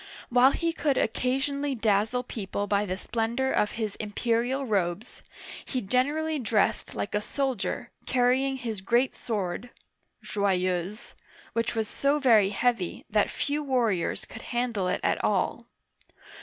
While he could occasionally dazzle people by the splendor of his imperial robes, he generally dressed like a soldier, carrying his great sword ("Joyeuse"), which was so very heavy that few warriors could handle it at all.